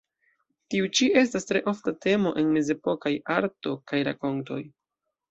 Tiu ĉi estas tre ofta temo en mezepokaj arto kaj rakontoj.